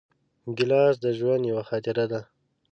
ګیلاس د ژوند یوه خاطره ده.